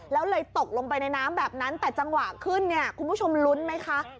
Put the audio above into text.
แล้วเลยตกลงไปในน้ำแบบนั้นแต่จังหวะขึ้นเนี่ยคุณผู้ชมลุ้นไหมคะ